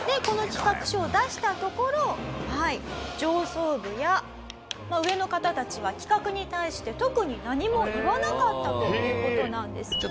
この企画書を出したところ上層部や上の方たちは企画に対して特に何も言わなかったという事なんです。